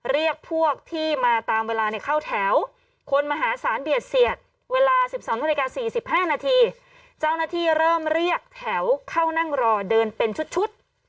เรียกพวกที่มาตามเวลาเข้าแถวคนมหาศาลเบียดเสียดเวลา๑๒นาฬิกา๔๕นาทีเจ้าหน้าที่เริ่มเรียกแถวเข้านั่งรอเดินเป็นชุด